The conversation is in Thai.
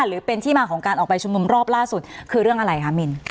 หรือเป็นที่มาของการออกไปชุมนุมรอบล่าสุดคือเรื่องอะไรคะมิน